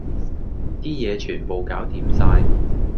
啲嘢全部攪掂晒